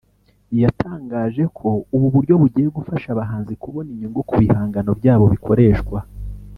yatangaje ko ubu buryo bugiye gufasha abahanzi kubona inyungu ku bihangano byabo bikoreshwa